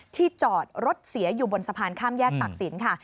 จอดรถเสียอยู่บนสะพานข้ามแยกตักศิลป์ค่ะ